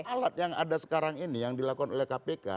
alat yang ada sekarang ini yang dilakukan oleh kpk